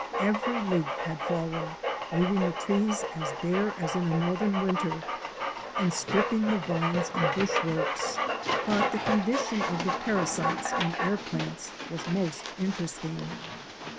Every leaf had fallen, leaving the trees as bare as in a northern winter and stripping the vines and bush ropes, but the condition of the parasites and air plants was most interesting.